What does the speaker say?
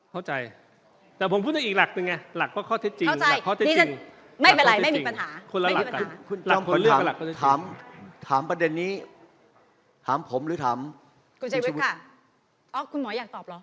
เข้าใจแต่ผมพูดถึงอีกหลักเป็นไงหลักว่าข้อเท็จจริงหลักข้อเท็จจริง